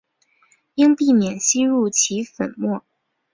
应避免吸入其粉末。